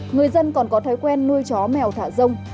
người dân còn có thói quen nuôi chó mèo thả rông